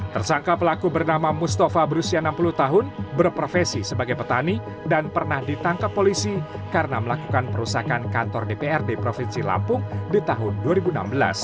tersangka pelaku bernama mustafa berusia enam puluh tahun berprofesi sebagai petani dan pernah ditangkap polisi karena melakukan perusakan kantor dprd provinsi lampung di tahun dua ribu enam belas